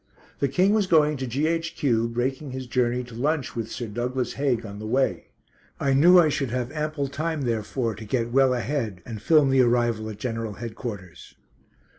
The King was going to G.H.Q., breaking his journey to lunch with Sir Douglas Haig on the way. I knew I should have ample time therefore to get well ahead and film the arrival at General Headquarters.